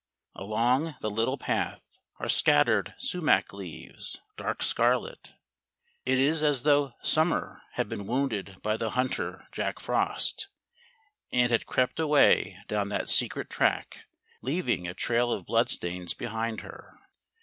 Along the little path are scattered sumac leaves, dark scarlet. It is as though Summer had been wounded by the hunter Jack Frost, and had crept away down that secret track, leaving a trail of bloodstains behind her.